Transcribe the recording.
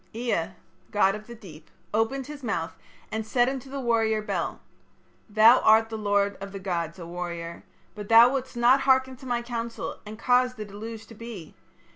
"Ea, god of the deep, opened his mouth and said unto the warrior Bel: 'Thou art the lord of the gods, O warrior. But thou wouldst not hearken to my counsel and caused the deluge to be.